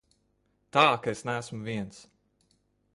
Tā ka es neesmu viens.